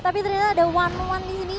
tapi ternyata ada wan wan di sini